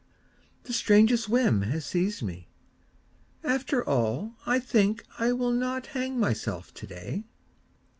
The strangest whim has seized me ... After all I think I will not hang myself today.